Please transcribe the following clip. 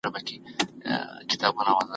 زه مرسته کوم